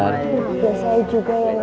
bagi saya juga ya neng